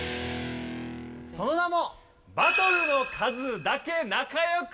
その名も。